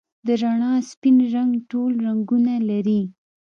د رڼا سپین رنګ ټول رنګونه لري.